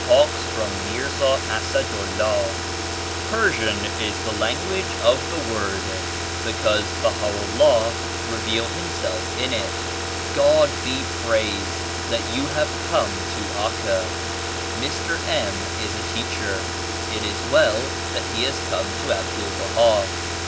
90 TALKS FROM MIRZA ASSAD ULLAH. "Persian is the language of the Word because Baha'u'llah revealed Himself in it. God be praised that you have come to Accal Mr. M. is a teacher. It is well that he has come to Abdul Baha.